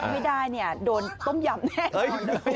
ไม่ได้เนี่ยโดนต้มยำแน่